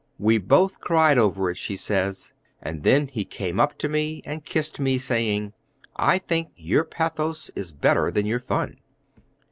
"We both cried over it," she says, "and then he came up to me and kissed me, saying, 'I think your pathos is better than your fun!'"